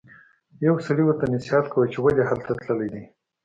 یو سړي ورته نصیحت کاوه چې ولې هلته تللی دی.